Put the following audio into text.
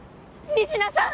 仁科さん！